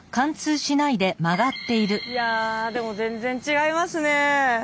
いやでも全然違いますね。